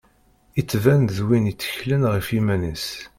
Yettban d win i tteklen ɣef yiman-is.